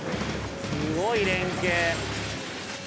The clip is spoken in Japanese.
すごい連携。